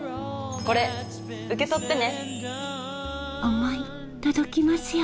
これ受け取ってね。